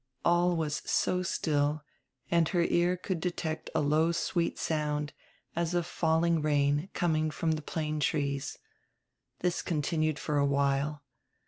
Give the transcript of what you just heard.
All was so still, and her ear could detect a low sweet sound, as of falling rain, coming from die plane trees. This continued for a while.